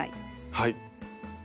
はい。